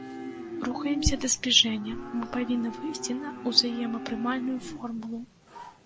Рухаемся да збліжэння, мы павінны выйсці на ўзаемапрымальную формулу.